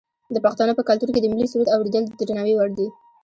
د پښتنو په کلتور کې د ملي سرود اوریدل د درناوي وړ دي.